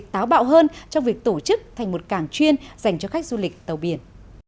cảng trân mây đang có một sự chuyển dịch táo bạo hơn trong việc tổ chức thành một cảng chuyên dành cho khách du lịch tàu biển